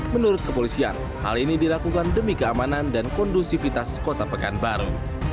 menurut kepolisian hal ini dilakukan demi keamanan dan kondusivitas kota pekanbaru